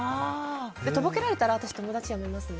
とぼけられたら私、友達やめますね。